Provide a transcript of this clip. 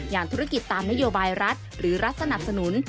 ธุรกิจตามนโยบายรัฐหรือรัฐสนับสนุน